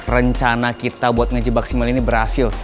rencana kita buat ngejebak si mel ini berhasil